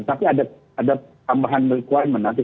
tapi ada tambahan quignment nanti